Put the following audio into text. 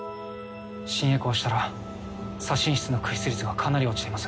心エコーをしたら左心室の駆出率がかなり落ちています。